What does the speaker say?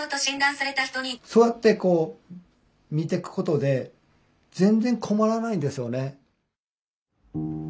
そうやってこう見ていくことで全然困らないんですよね。